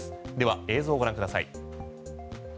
では映像をご覧ください。